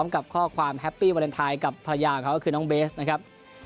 กับข้อความแฮปปี้วาเลนไทยกับภรรยาเขาก็คือน้องเบสนะครับ